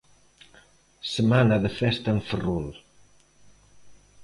Semana de festa en Ferrol.